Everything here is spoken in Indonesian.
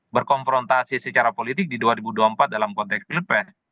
berkonfrontasi secara politik di dua ribu dua puluh empat dalam konteks pilpres